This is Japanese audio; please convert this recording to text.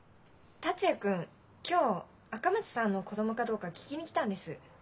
達也君今日赤松さんの子供かどうか聞きに来たんです。